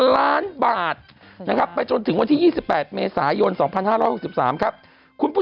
ล้านบาทนะครับไปจนถึงวันที่๒๘เมษายน๒๕๖๓ครับคุณผู้